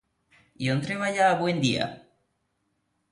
I on treballa avui en dia?